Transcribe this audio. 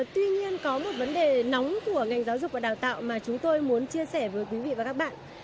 tuy nhiên có một vấn đề nóng của ngành giáo dục và đào tạo mà chúng tôi muốn chia sẻ với quý vị và các bạn